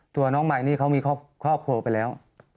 ตัวน้องมายนี่เขามีครอบครัวไปแล้ว